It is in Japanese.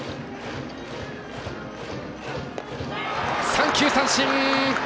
三球三振！